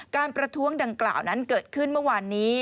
ประท้วงดังกล่าวนั้นเกิดขึ้นเมื่อวานนี้